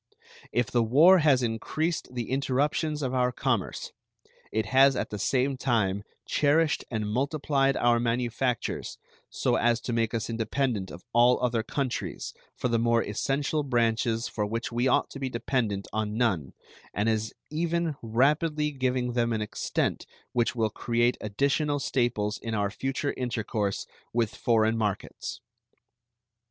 If the war has increased the interruptions of our commerce, it has at the same time cherished and multiplied our manufactures so as to make us independent of all other countries for the more essential branches for which we ought to be dependent on none, and is even rapidly giving them an extent which will create additional staples in our future intercourse with foreign markets.